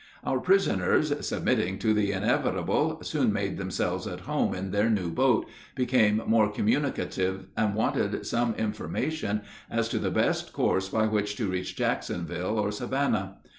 Our prisoners, submitting to the inevitable, soon made themselves at home in their new boat, became more communicative, and wanted some information as to the best course by which to reach Jacksonville or Savannah.